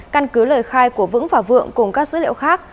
căn cứ lời khai của vững và vượng cùng các dữ liệu khác